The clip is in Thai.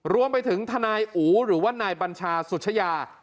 รวมไปถึงทนายอู๋หรือว่านายบัญชาสุชยา